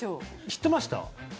知ってました？